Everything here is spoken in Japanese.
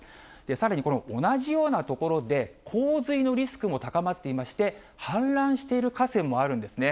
さらにこの同じような所で、洪水のリスクも高まっていまして、氾濫している河川もあるんですね。